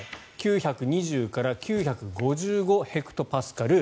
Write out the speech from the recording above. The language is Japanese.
９２０から９５５ヘクトパスカル。